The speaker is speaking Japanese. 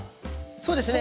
そうですね。